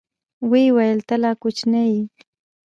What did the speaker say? ويې ويل ته لا کوچنى يې.